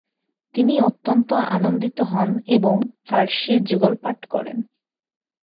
তিনি অত্যন্ত আনন্দিত হন এবং ফার্সি যুগলপাঠ করেন: